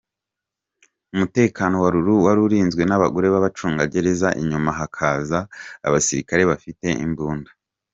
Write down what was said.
Umutekano wa Lulu wari urinzwe n'abagore b'abacungagereza, inyuma hakaza abasirikare bafite imbunda!.